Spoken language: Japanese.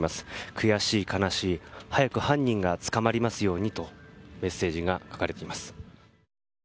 「くやしい悲しい早く犯人が捕まりますように」とメッセージが書かれています。